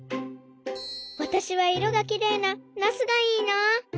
わたしはいろがきれいなナスがいいな。